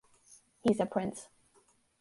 He's a prince.